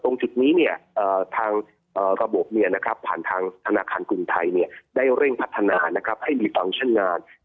จุดนี้ทางระบบผ่านทางธนาคารกรุงไทยได้เร่งพัฒนาให้รีฟังก์ชั่นงาน